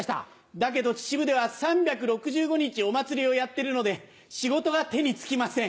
だけど秩父では３６５日お祭りをやってるので仕事が手に付きません。